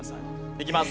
いきます。